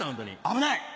危ない！